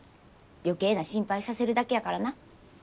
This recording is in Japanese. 余計な心配させるだけやからな。